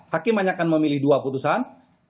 hakim hanya akan memilih dua putusan